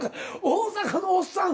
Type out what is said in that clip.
大阪のおっさん